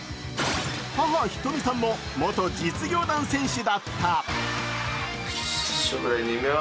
母・ひとみさんも元実業団選手だった。